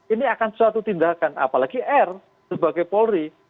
ini akan suatu tindakan apalagi r sebagai polri